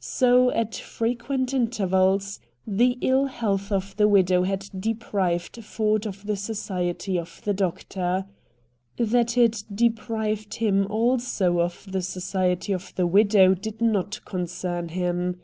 So, at frequent intervals, the ill health of the widow had deprived Ford of the society of the doctor. That it deprived him, also, of the society of the widow did not concern him.